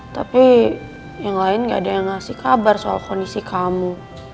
tapi yang lain gak ada yang ngasih kabar soal kondisi kamu